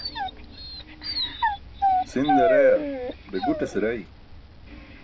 Si̇nda rayaa, bee guṭase ray?